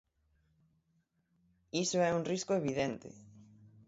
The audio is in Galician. ¡Iso é un risco evidente!